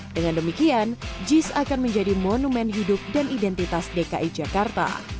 dengan demikian jis akan menjadi monumen hidup dan identitas dki jakarta